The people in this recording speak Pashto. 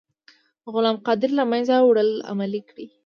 غلام قادر له منځه وړل عملي کړئ.